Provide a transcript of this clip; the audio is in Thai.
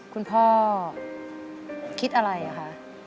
คุณพ่อคิดอะไรอะคะ